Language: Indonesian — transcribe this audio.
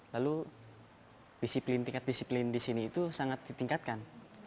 lalu disiplin tingkat disiplin di sini itu sangat ditingkatkan